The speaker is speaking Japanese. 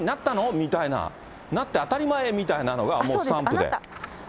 みたいな、なって当たり前みたいなのがもうスタンプで。